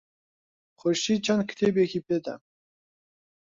خورشید چەند کتێبێکی پێدام.